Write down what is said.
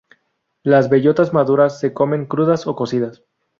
Las bellotas maduras se comen crudas o cocidas.